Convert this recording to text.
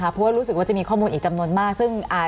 เพราะว่ารู้สึกว่าจะมีข้อมูลอีกจำนวนมากซึ่งอ่า